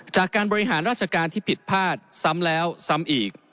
จากการบริหารราชการที่ผิดพลาดซ้ำแล้วซ้ำอีก